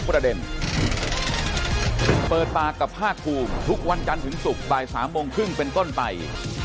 โปรดติดตามตอนต่อไป